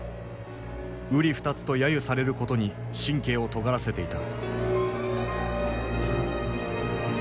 うり二つと揶揄されることに神経をとがらせていた。